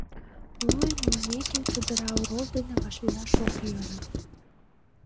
Луйым лӱйымеке чодыра орол дене вашлияш ок йӧрӧ.